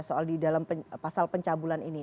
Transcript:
soal di dalam pasal pencabulan ini